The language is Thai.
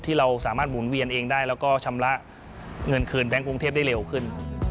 ที่เราสามารถหมุนเวียนเองได้แล้วก็ชำระเงินคืนแบงค์กรุงเทพได้เร็วขึ้น